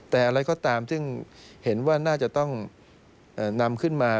แต่อะไรก็ตามซึ่งเห็นว่าน่าจะต้องนำขึ้นมา